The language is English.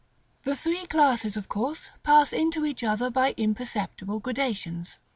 The three classes of course pass into each other by imperceptible gradations.